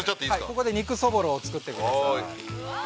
◆ここで肉そぼろを作ってください。